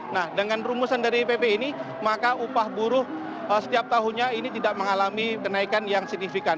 nah dengan rumusan dari pp ini maka upah buruh setiap tahunnya ini tidak mengalami kenaikan yang signifikan